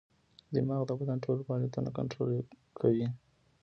دماغ د بدن ټول فعالیتونه کنټرول کوي.